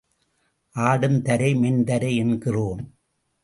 ஆடும் தரை மென் தரை என்கிறோம்.